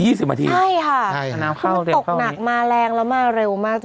ใช่ค่ะแถนน้ำเข้าเร็วเข้านี้ทุกคนที่ตกหนักมารแรงแล้วมากเร็วมากจริง